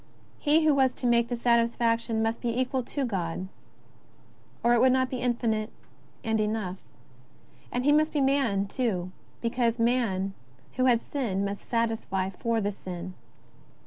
He who was to make the satisfaction must be equal to God, or it would not be infinite and enough ; and He must be man, too, because man who had sinned must satisfy for sin.